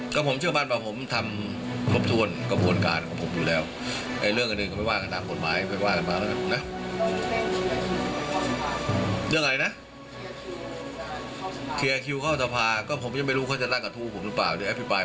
เคอาคิวเข้าทภาพก็ผมไม่รู้เขาจะดาลงกระทู้ผมหรือเปล่า